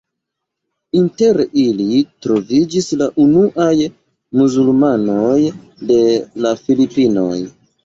Inter ili troviĝis la unuaj muzulmanoj de la Filipinoj.